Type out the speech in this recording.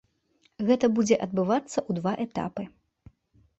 Гэта будзе адбывацца ў два этапы.